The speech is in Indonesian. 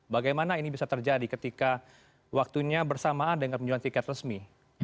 bagaimana ini bisa terjadi ketika waktunya bersamaan dengan penjualan tiket resmi